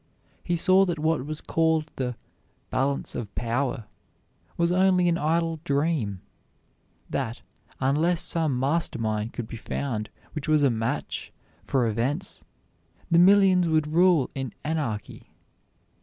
He saw that what was called the "balance of power" was only an idle dream; that, unless some master mind could be found which was a match for events, the millions would rule in anarchy.